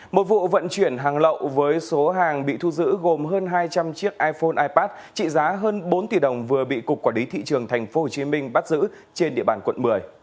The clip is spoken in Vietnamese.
một vụ vận chuyển hàng lậu với số hàng bị thu giữ gồm hơn hai trăm linh chiếc iphone ipad trị giá hơn bốn tỷ đồng vừa bị cục quản lý thị trường tp hcm bắt giữ trên địa bàn quận một mươi